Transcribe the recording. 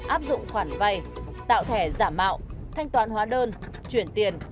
áp dụng khoản vay tạo thẻ giả mạo thanh toán hóa đơn chuyển tiền